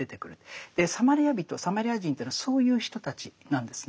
サマリア人サマリア人というのはそういう人たちなんですね。